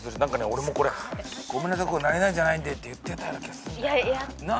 俺もこれ「ごめんなさい何々じゃないんで」って言ってたような気がすんだよな。